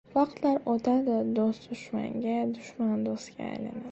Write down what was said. • Vaqtlar o‘tadi, do‘st dushmanga, dushman do‘stga aylanadi.